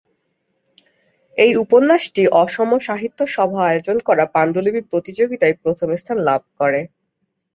এই উপন্যাসটি অসম সাহিত্য সভা আয়োজন করা পাণ্ডুলিপি প্রতিযোগীতায় প্রথম স্থান লাভ করে।